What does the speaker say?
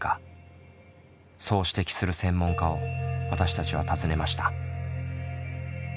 そう指摘する専門家を私たちは訪ねました。